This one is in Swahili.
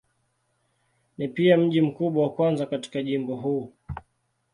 Ni pia mji mkubwa wa kwanza katika jimbo huu.